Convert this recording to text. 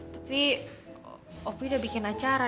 tapi opi udah bikin acara